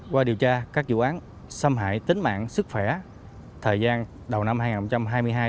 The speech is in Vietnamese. qua điều tra các vụ án xâm hại tính mạng sức khỏe thời gian đầu năm hai nghìn hai mươi hai